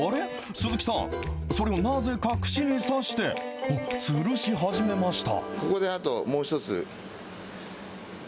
鈴木さん、それをなぜか串に刺して、おっ、つるし始めました。